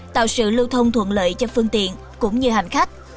tạo sự lưu thông thuận lợi cho phương tiện cũng như hành khách